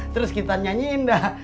terus kita nyanyiin dah